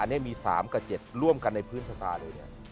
อันนี้มี๓กับ๗ร่วมกันในพื้นชะตาเลยเนี่ย